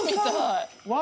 わ！